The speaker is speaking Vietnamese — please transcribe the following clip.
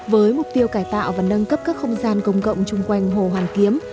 với mục tiêu cải tạo và nâng cấp các không gian công cộng chung quanh hồ hoàn kiếm